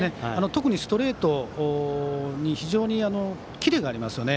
特にストレートに非常にキレがありますね。